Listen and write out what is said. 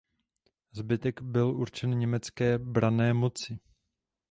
Zbytek byl určen německé branné moci.